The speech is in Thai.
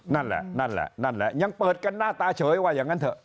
นั่นแหละนั่นแหละยังเปิดกันหน้าตาเฉยว่าอย่างนั้นเถอะ